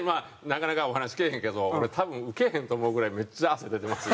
なかなかお話けえへんけど俺多分受けへんと思うぐらいめっちゃ汗出てます